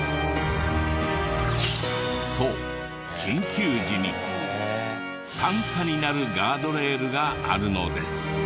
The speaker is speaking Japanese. そう緊急時に担架になるガードレールがあるのです。